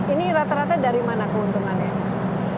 ini rata rata dari mana keuntungannya